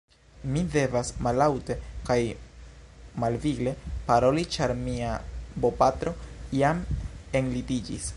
Mi devas mallaŭte kaj malvigle paroli ĉar mia bopatro jam enlitiĝis!